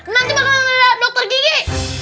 nanti bakalan ngeliat dokter gigi